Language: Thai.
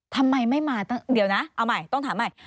ทำไมไม่มาเดี๋ยวนะเอาใหม่ต้องถามใหม่